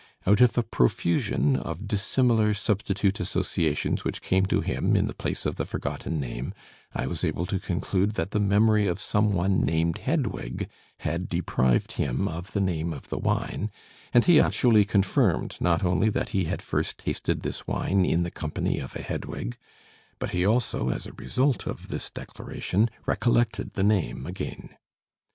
Out of a profusion of dissimilar substitute associations which came to him in the place of the forgotten name, I was able to conclude that the memory of some one named Hedwig had deprived him of the name of the wine, and he actually confirmed not only that he had first tasted this wine in the company of a Hedwig, but he also, as a result of this declaration, recollected the name again.